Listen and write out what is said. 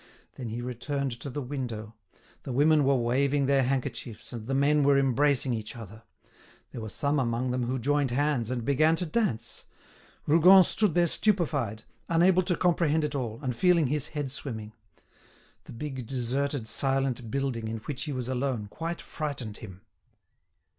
Then he returned to the window; the women were waving their handkerchiefs, and the men were embracing each other. There were some among them who joined hands and began to dance. Rougon stood there stupefied, unable to comprehend it all, and feeling his head swimming. The big, deserted, silent building, in which he was alone, quite frightened him.